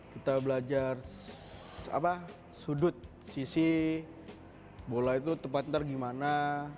kita belajar sudut sisi bola itu tepatnya gimana